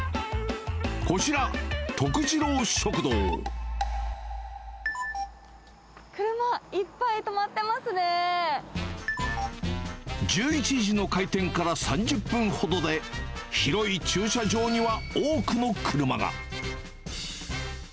こちら、車、１１時の開店から３０分ほどで、広い駐車場には多くの車が。